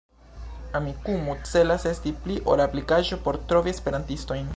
Amikumu celas esti pli ol aplikaĵo por trovi Esperantistojn.